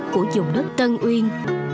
của vùng đất tân uyên